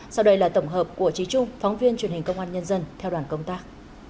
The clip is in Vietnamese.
sau đây là tổng hợp của trí trung phóng viên truyền hình công an nhân dân theo đoàn công tác